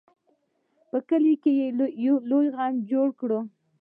په کلي کې یې لوی غم جوړ کړ.